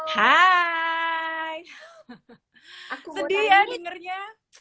hai sedih ya dengernya